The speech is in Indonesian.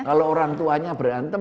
kalau orang tuanya berantem